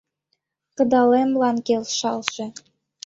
Кыдалемлан келшалше.